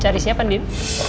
cari siapa andin